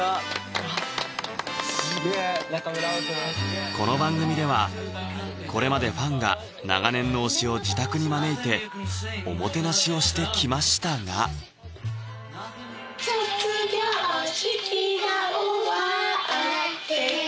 うわっこの番組ではこれまでファンが長年の推しを自宅に招いておもてなしをしてきましたが「卒業式が終わって」